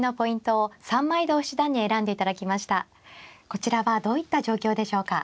こちらはどういった状況でしょうか。